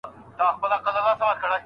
نورو سره خپل ځان مه پرتله کوئ.